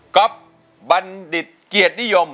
ก๊อปบัณฑิตเกียจนิยม